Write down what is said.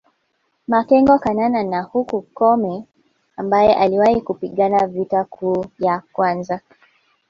Makengo Kanana wa huko Chome ambaye aliwahi kupigana vita kuu ya kwanza